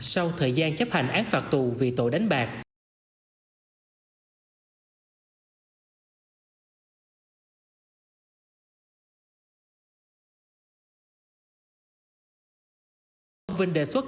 sau thời gian chấp hành án phạt tù vì tội đánh bạc